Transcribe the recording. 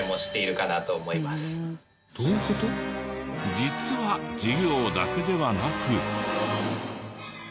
実は授業だけではなく。